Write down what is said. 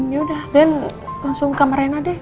yaudah dan langsung ke kamar rena deh